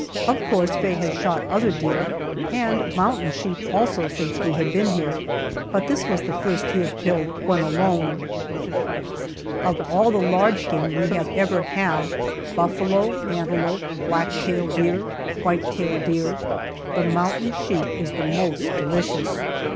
Of course Faye has shot other deer, and mountain sheep also, since we have been here, but this was the first he had killed when alone. Of all the large game we have ever had buffalo, antelope, black tail deer, white tail deer the mountain sheep is the most delicious.